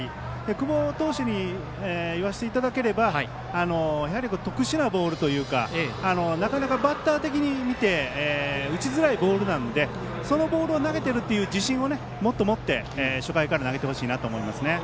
久保投手に言わせていただければ特殊なボールというかなかなかバッター的に見て打ちづらいボールなのでそのボールを投げているという自信をもっと持って初回から投げてほしいと思います。